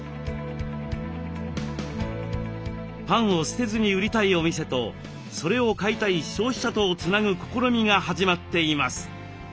パンを捨てずに売りたいお店とそれを買いたい消費者とをつなぐ試みが始まっています。